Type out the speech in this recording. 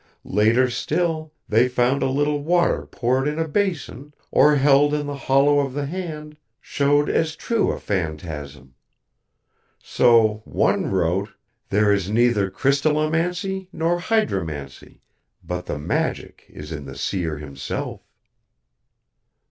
Later still, they found a little water poured in a basin or held in the hollow of the hand showed as true a fantasm. So one wrote: '_There is neither crystallomancy nor hydromancy, but the magick is in the Seer himself.